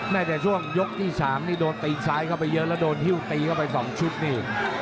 ในช่วงยกที่๓นี่โดนตีนซ้ายเข้าไปเยอะแล้วโดนฮิ้วตีเข้าไป๒ชุดนี่